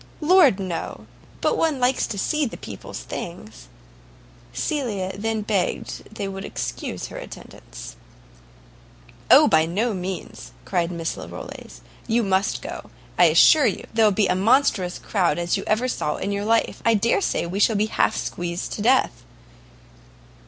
"Lord, no; but one likes to see the people's things." Cecilia then begged they would excuse her attendance. "O, by no means!" cried Miss Larolles; "you must go, I assure you; there'll be such a monstrous crowd as you never saw in your life. I dare say we shall be half squeezed to death."